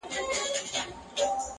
له خدای وطن سره عجیبه مُحبت کوي.